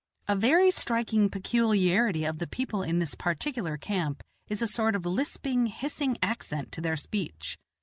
A very striking peculiarity of the people in this particular camp is a sort of lisping, hissing accent to their speech.